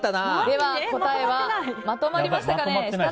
では、答えはまとまりましたか？